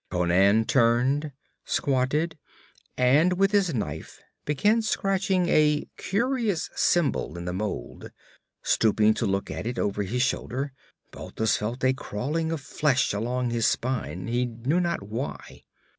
Conan turned, squatted and with his knife began scratching a curious symbol in the mold. Stooping to look at it over his shoulder, Balthus felt a crawling of the flesh along his spine, he knew not why.